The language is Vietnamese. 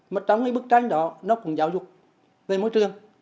mà trong cái bức tranh đó nó cũng giáo dục về môi trường